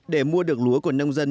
để mua được lúa của nông dân